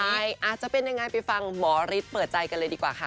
ใช่อาจจะเป็นยังไงไปฟังหมอฤทธิ์เปิดใจกันเลยดีกว่าค่ะ